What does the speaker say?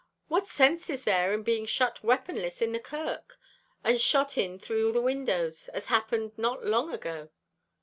What sense is there in being shut weaponless in a kirk, and shot at through the windows, as happened not long ago?